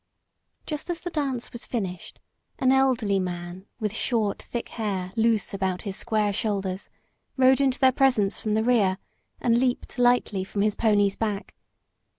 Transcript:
Just as the dance was finished, an elderly man, with short, thick hair loose about his square shoulders, rode into their presence from the rear, and leaped lightly from his pony's back.